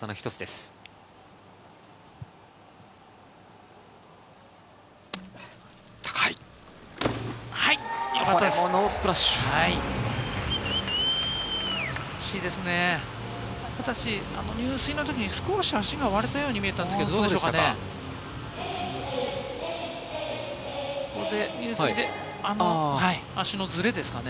しかし入水の時に少し足が割れたように見えたんですが、どうでしょうかね。